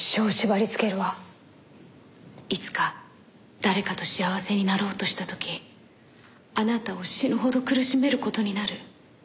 いつか誰かと幸せになろうとした時あなたを死ぬほど苦しめる事になる。